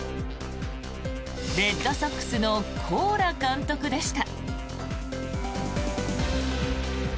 レッドソックスのコーラ監督でした。